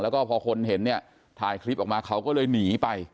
แล้วก็พอคนเห็นเนี่ยถ่ายคลิปออกมาเขาก็เลยหนีไป